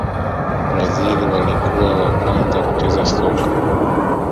brazil walikuwa wa kwanza kucheza soka